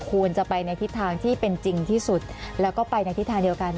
ควรจะไปในทิศทางที่เป็นจริงที่สุดแล้วก็ไปในทิศทางเดียวกัน